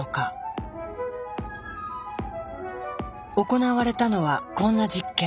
行われたのはこんな実験。